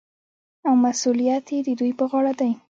او مسوولیت یې د دوی په غاړه دی.